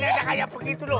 jalannya aja kayak begitu loh